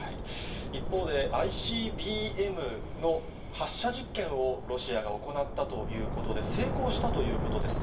一方で、ＩＣＢＭの発射実験をロシアが行ったということで、成功したということです。